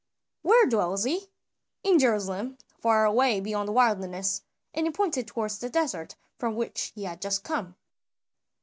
"Where dwells he?" "In Jerusalem, far away beyond the wilderness," and he pointed towards the desert from which he had just come.